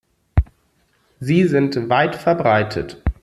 Sie sind weit verbreitet.